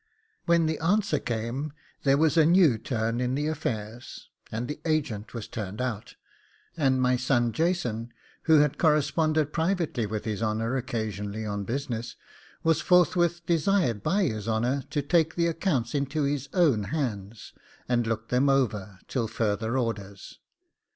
When the answer came there was a new turn in affairs, and the agent was turned out; and my son Jason, who had corresponded privately with his honour occasionally on business, was forthwith desired by his honour to take the accounts into his own hands, and look them over, till further orders.